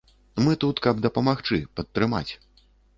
Мы тут, каб дапамагчы, падтрымаць.